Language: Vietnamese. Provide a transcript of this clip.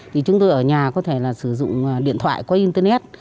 thì chúng tôi ở nhà có thể là sử dụng điện thoại qua internet